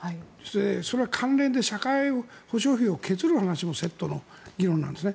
それは関連で社会保障費を削る話もセットでの議論なんですね。